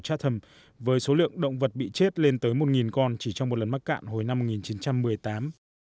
cha thẩm với số lượng động vật bị chết lên tới một con chỉ trong một lần mắc cạn hồi năm một nghìn chín trăm một mươi tám